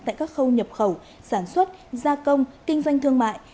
tại các khâu nhập khẩu sản xuất gia công kinh doanh thương mại